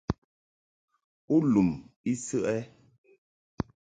U lum I səʼ ɛ?